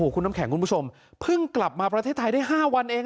คุณน้ำแข็งคุณผู้ชมเพิ่งกลับมาประเทศไทยได้๕วันเอง